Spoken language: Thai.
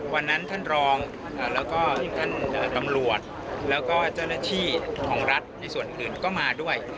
วันนั้นท่านรองแล้วก็ท่านตำรวจแล้วก็เจ้าหน้าที่ของรัฐในส่วนอื่นก็มาด้วย